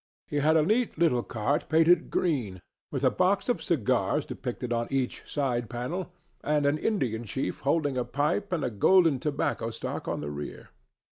He had a neat little cart painted green, with a box of cigars depicted on each side panel, and an Indian chief holding a pipe and a golden tobacco stalk on the rear.